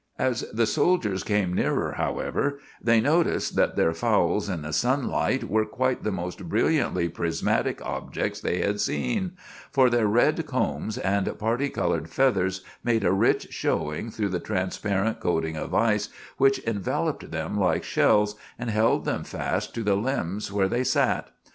As the soldiers came nearer, however, they noticed that their fowls in the sunlight were quite the most brilliantly prismatic objects they had seen; for their red combs and party colored feathers made a rich showing through the transparent coating of ice which enveloped them like shells and held them fast to the limbs where they sat.